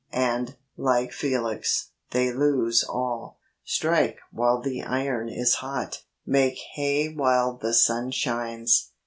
and, like Felix, they lose all. 'Strike while the iron is hot.' 'Make hay while the sun shines.